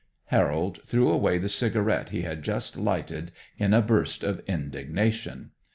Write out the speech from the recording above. Harold threw away the cigarette he had just lighted in a burst of indignation.